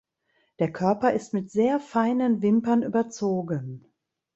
Der Körper ist mit sehr feinen Wimpern überzogen.